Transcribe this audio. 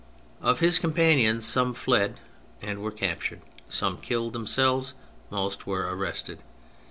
Of his companions, some fled and were captured, some killed themselves, most were arrested.